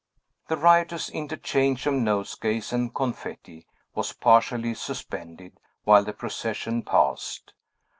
The riotous interchange of nosegays and confetti was partially suspended, while the procession passed.